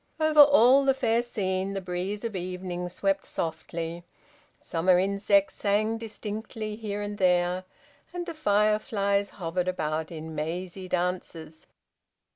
Over all the fair scene the breeze of evening swept softly, summer insects sang distinctly here and there, and the fireflies hovered about in mazy dances.